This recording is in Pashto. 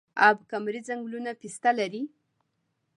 اب کمري ځنګلونه پسته لري؟